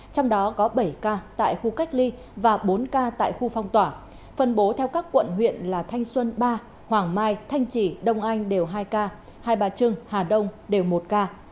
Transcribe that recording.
trong đó có bảy ca tại khu cách ly và bốn ca tại khu phong tỏa phân bố theo các quận huyện là thanh xuân ba hoàng mai thanh trì đông anh đều hai ca hai bà trưng hà đông đều một ca